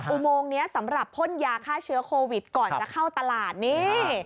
อุโมงนี้สำหรับพ่นยาฆ่าเชื้อโควิดก่อนจะเข้าตลาดนี่